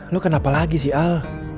lo kenapa lagi sih al